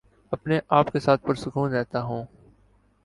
اپنے آپ کے ساتھ پرسکون رہتا ہوں